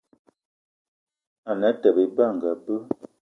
Ane Atёbё Ebe anga be